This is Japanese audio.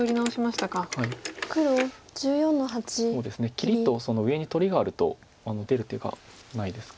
切りとその上に取りがあると出る手がないですか。